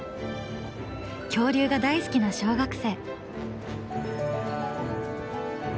恐竜が大好きな小学生。